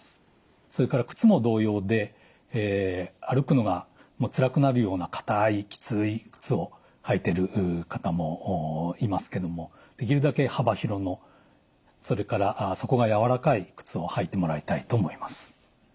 それから靴も同様で歩くのがつらくなるような硬いきつい靴を履いてる方もいますけどもできるだけ幅広のそれから底が軟らかい靴を履いてもらいたいと思います。